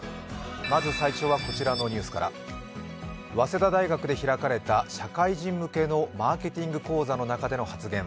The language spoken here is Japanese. まず最初は、こちらのニュースから早稲田大学で開かれた社会人向けのマーケティング講座の中での発言。